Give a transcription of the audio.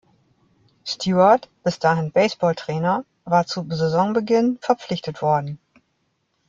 Stewart, bis dahin Baseball Trainer, war zu Saisonbeginn verpflichtet worden.